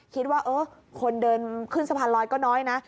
คิดว่าเออคนเดินขึ้นสะพานลอยก็น้อยนะ